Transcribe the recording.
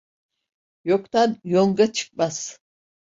Yoktan yonga çıkmaz.